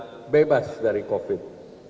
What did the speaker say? kita bebas dari covid